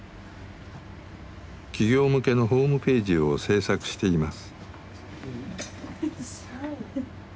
企業向けのホームページを制作しています。